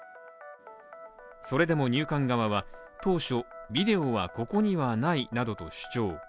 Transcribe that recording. それでも入管側は当初、ビデオはここにはないなどと主張。